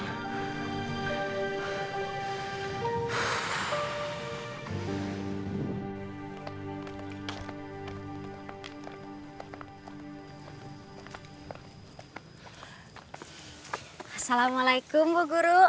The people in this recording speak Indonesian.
assalamualaikum bu guru